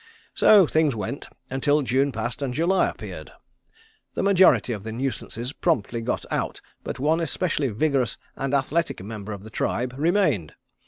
"So things went, until June passed and July appeared. The majority of the nuisances promptly got out but one especially vigorous and athletic member of the tribe remained.